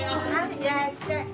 いらっしゃいませ！